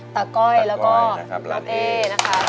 ตาก้อยแล้วก็อัลเอนะครับ